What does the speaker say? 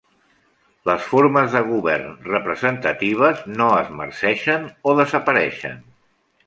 Les formes de govern representatives no es marceixen o desapareixen.